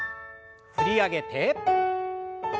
振り上げて。